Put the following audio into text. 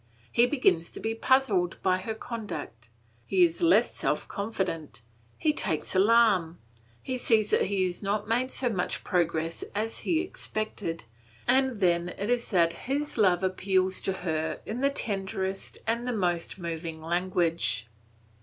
He begins to be puzzled by her conduct. He is less self confident, he takes alarm, he sees that he has not made so much progress as he expected, and then it is that his love appeals to her in the tenderest and most moving language.